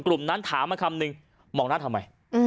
กลุ่มนั้นถามมาคำนึงมองหน้าทำไม